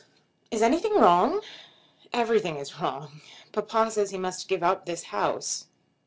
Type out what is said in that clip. "Is anything wrong?" "Everything is wrong. Papa says he must give up this house."